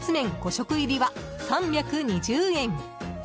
食入りは３２０円。